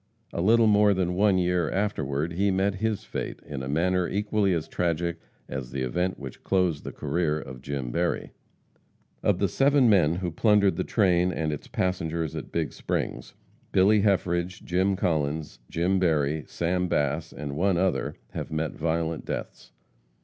A little more than one year afterward he met his fate in a manner equally as tragic as the event which closed the career of Jim Berry. Of the seven men who plundered the train and its passengers at Big Springs, Billy Heffridge, Jim Collins, Jim Berry, Sam Bass, and one other, have met violent deaths.